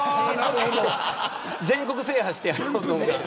全国制覇してやろうと思ってる。